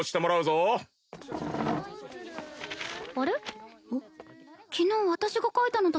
あれ？